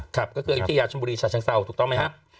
ก็คืออายุทยาชนบุรีฉะเชิงเศร้าถูกต้องไหมฮะ